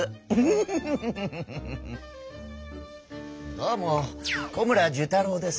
どうも小村寿太郎です。